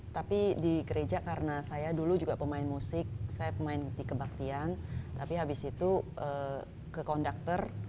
tapi di gereja karena saya dulu juga pemain musik saya pemain di kebaktian tapi habis itu ke konduktor